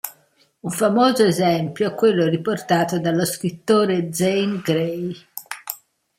Un famoso esempio è quello riportato dallo scrittore Zane Grey.